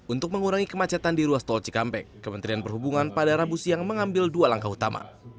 untuk mengurangi kemacetan di ruas tol cikampek kementerian perhubungan pada rabu siang mengambil dua langkah utama